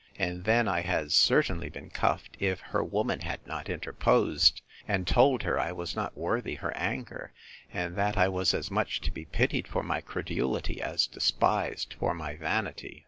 And then I had certainly been cuffed, if her woman had not interposed, and told her I was not worthy her anger; and that I was as much to be pitied for my credulity, as despised for my vanity.